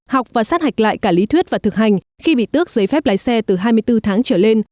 học và sát hạch lại cả lý thuyết và thực hành khi bị tước giấy phép lái xe từ hai mươi bốn tháng trở lên